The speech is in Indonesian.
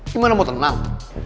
gimana mau tenang